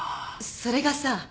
それがさ